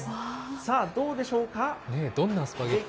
さあ、どうでしょうか。